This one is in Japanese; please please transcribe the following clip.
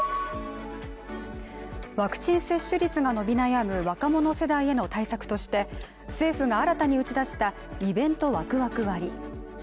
ワクチン接種率が伸び悩む若者世代への対策として、政府が新たに打ち出したイベントワクワク割。